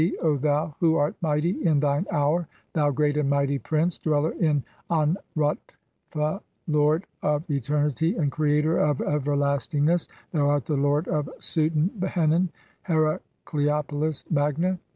(6) "Homage to thee, thou who art mighty in thine hour, "thou great and mighty Prince, dweller in An rut f, 1 lord of "eternity and creator of everlastingness, thou art the lord of "Suten henen (Heracleopolis Magna).